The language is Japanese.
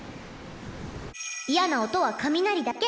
嫌な音は雷だけ。